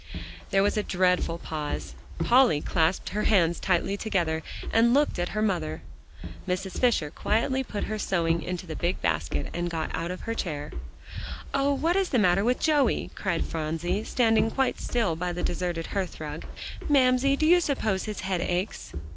There was a dreadful pause. Polly clasped her hands tightly together, and looked at her mother. Mrs. Fisher quietly put her sewing into the big basket and got out of her chair. "Oh! what is the matter with Joey?" cried Phronsie, standing quite still by the deserted hearth rug. "Mamsie, do you suppose his head aches?"